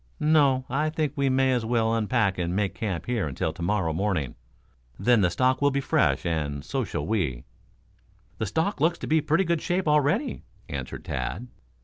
"No; I think we may as well unpack and make camp here until to morrow morning. Then the stock will be fresh, and so shall we." "The stock looks to be in pretty good shape already," answered Tad.